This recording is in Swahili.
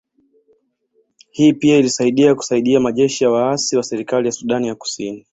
Hii pia ilisaidia kusaidia majeshi ya waasi wa serikali ya Sudani ya Kusini